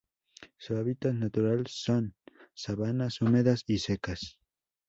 Su hábitat natural son: sabanas húmedas y secas